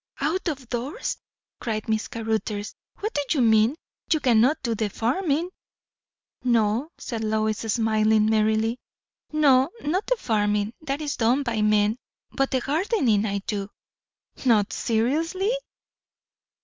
"Out of doors!" cried Miss Caruthers. "What do you mean? You cannot do the farming?" "No," said Lois, smiling merrily; "no; not the farming. That is done by men. But the gardening I do." "Not seriously?"